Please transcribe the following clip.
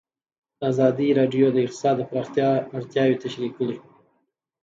ازادي راډیو د اقتصاد د پراختیا اړتیاوې تشریح کړي.